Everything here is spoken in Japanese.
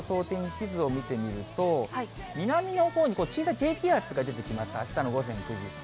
天気図を見てみると、南のほうに小さい低気圧が出てきます、あしたの午前９時。